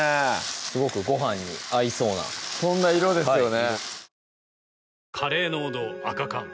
すごくごはんに合いそうなそんな色ですよね